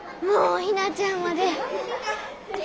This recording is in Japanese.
もうひなちゃんまで。